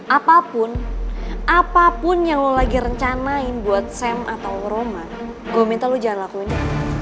apapun apapun yang lo lagi rencanain buat sam atau roma gue minta lo jalan lakunya